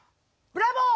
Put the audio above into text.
ブラボー。